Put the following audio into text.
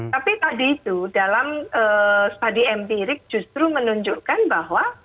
tapi tadi itu dalam study empirik justru menunjukkan bahwa